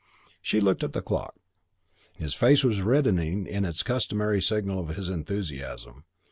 She looked at the clock. His face was reddening in its customary signal of his enthusiasm.